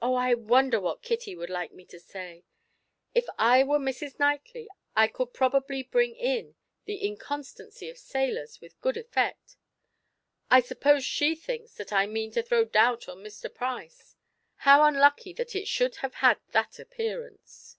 Oh, I wonder what Kitty would like me to say? If I were Mrs. Knightley I could probably bring in the inconstancy of sailors with good effect. I suppose she thinks that I mean to throw a doubt on Mr. Price; how unlucky that it should have had that appearance!"